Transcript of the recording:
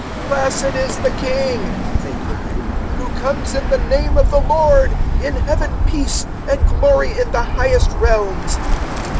019:038 "Blessed is the King," they cried, "who comes in the name of the Lord: in Heaven peace, and glory in the highest realms."